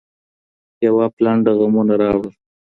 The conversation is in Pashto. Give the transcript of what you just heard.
يوه پلنډه غمونه راوړل